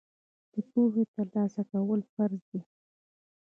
د پوهې ترلاسه کول فرض دي.